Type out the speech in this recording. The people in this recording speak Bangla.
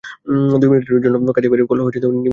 দুই মিনিটের জন্য কাঠিয়াবাড়ের কল নিবন্ধন করেছিলেন?